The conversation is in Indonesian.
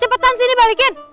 cepetan sini balikin